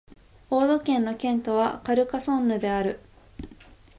オード県の県都はカルカソンヌである